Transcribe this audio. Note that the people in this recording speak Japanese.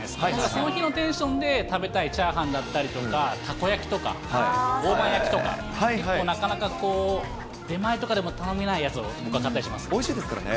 その日のテンションで食べたいチャーハンだったりとか、たこ焼きとか、大判焼きとか、なかなかこう、出前とかでも頼めないやつをおいしいですからね。